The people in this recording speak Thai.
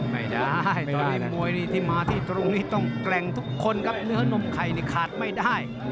ไม่ได้ตอนนี้มวยนี่ที่มาที่ตรงนี้ต้องแกร่งทุกคนครับเนื้อนมไข่นี่ขาดไม่ได้